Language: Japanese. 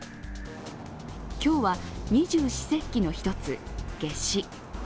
今日は二十四節気の一つ、夏至。